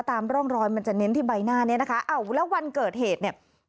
ตามร่องรอยมันจะเน้นที่ใบหน้านี้นะคะอ้าวแล้ววันเกิดเหตุเนี่ย